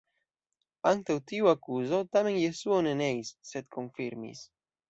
Antaŭ tiu akuzo, tamen, Jesuo ne neis, sed konfirmis.